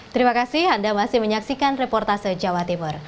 terima kasih anda masih menyaksikan reportase jawa timur